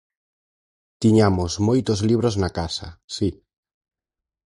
Tiñamos moitos libros na casa, si.